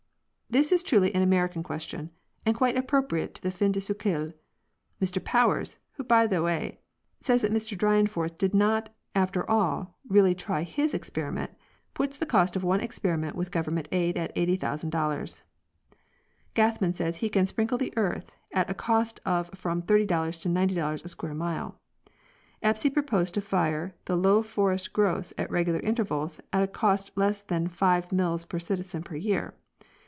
This is truly an American question, and quite appropriate to the fin de siecle. Mr Powers, who, by the way, says that Mr Dyren forth did not after all really try his experiment, puts the cost of one experiment with government aid at $80,000. Gathman says he can sprinkle the earth at a cost of from $50 to $90 a square mile. Espy proposed to fire the low forest growths at regular intervals at a cost less than five mills per citizen per year.